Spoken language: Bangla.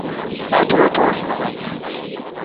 তারপর আর পড়াশোনা হয় নি।